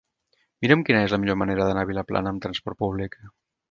Mira'm quina és la millor manera d'anar a Vilaplana amb trasport públic.